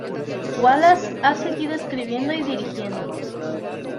Wallace ha seguido escribiendo y dirigiendo.